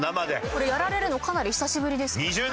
これやられるのかなり久しぶりですか？